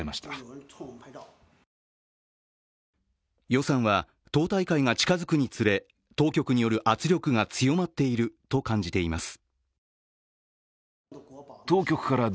余さんは党大会が近づくにつれ当局による圧力が強まっていると感じています。